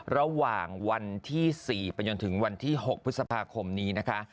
ระหว่างวันที่๔ไปจนถึงวันที่๖พฤษภาคมนี้นะคะ